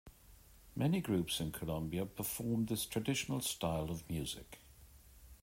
Many groups in Colombia perform this traditional style of music.